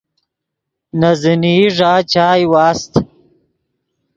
نے زینئی ݱا چائے واست